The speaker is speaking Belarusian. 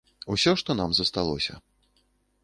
Усё, што нам засталося.